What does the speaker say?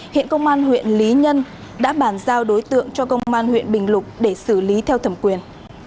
hiện công an huyện lý nhân đã bàn giao đối tượng cho công an huyện bình lục để xử lý theo thẩm quyền